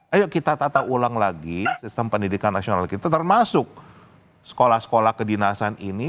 ayo kita tata ulang lagi sistem pendidikan nasional kita termasuk sekolah sekolah kedinasan ini